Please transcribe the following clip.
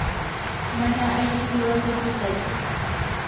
mana alli qiwata sutay.